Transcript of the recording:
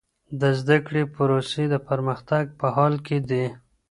د زده کړي پروسې د پرمختګ په حالت کې دي.